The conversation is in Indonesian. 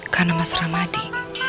karena mas ramadi